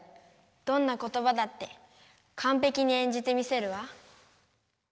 どんなことばだってかんぺきに演じてみせるわ。